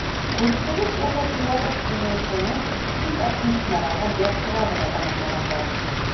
Күпселек уҡыусылар унынсыны тик отличноға һәм яҡшыға ғына тамамлағандар.